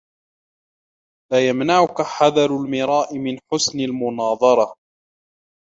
لَا يَمْنَعَنَّكَ حَذَرُ الْمِرَاءِ مِنْ حُسْنِ الْمُنَاظَرَةِ